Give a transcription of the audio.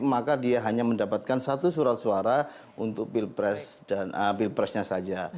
maka dia hanya mendapatkan satu surat suara untuk pilpres dan pilpresnya saja